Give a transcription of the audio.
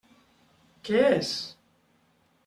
Què és?